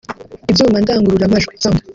ibyuma ndangururamajwi